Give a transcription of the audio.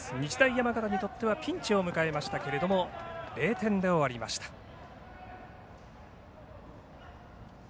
山形にとってはピンチを迎えましたけれども０点で終わりました。